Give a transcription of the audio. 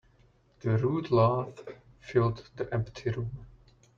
The rude laugh filled the empty room.